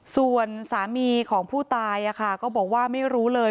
ส่วนสามีของผู้ตายก็บอกว่าไม่รู้เลย